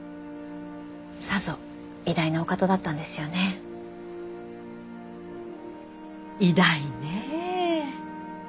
さぞ偉大なお方だったんですよね。偉大ねえ。